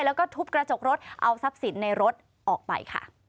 แล้วก็ทุบกระจกรถเอาทรัพย์สินในรถออกไปค่ะ